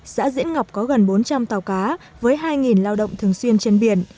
xã diễn ngọc có gần bốn trăm linh tàu cá với hai lao động thường xuyên trên biển